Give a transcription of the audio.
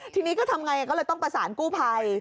ทีนี้ก็ทำไงก็เลยต้องประสานกู้ภัย